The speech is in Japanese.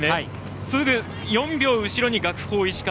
すぐ４秒後ろに学法石川。